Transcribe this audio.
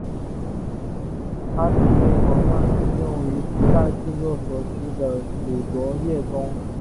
它曾被广泛应用于磁带制作所需的乳浊液中。